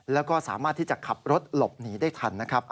แล้วก็สามารถที่จะขับรถหลบหนีได้ทันนะครับ